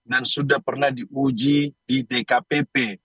dan sudah pernah diuji di dkpp